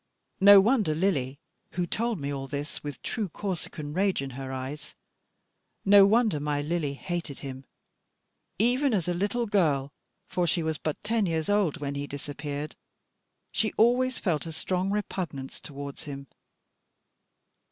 No wonder Lily, who told me all this, with true Corsican rage in her eyes, no wonder my Lily hated him. Even as a little girl, for she was but ten years old when he disappeared, she always felt a strong repugnance towards him.